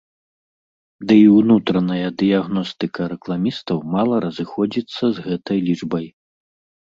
Дый унутраная дыягностыка рэкламістаў мала разыходзіцца з гэтай лічбай.